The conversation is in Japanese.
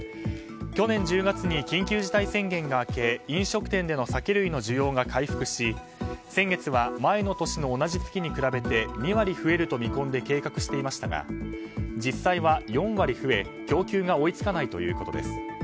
去年１０月に緊急事態宣言が明け飲食店での酒類の需要が回復し、先月は前の年の同じ月に比べて２割増えると見込んで計画していましたが実際は４割増え、供給が追い付かないということです。